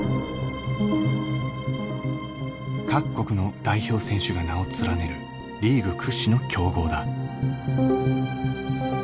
各国の代表選手が名を連ねるリーグ屈指の強豪だ。